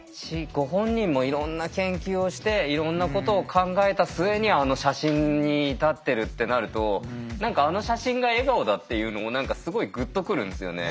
ご本人もいろんな研究をしていろんなことを考えた末にあの写真に至ってるってなると何かあの写真が笑顔だっていうのも何かすごいグッと来るんですよね。